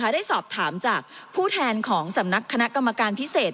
ได้สอบถามจากผู้แทนของสำนักคณะกรรมการพิเศษ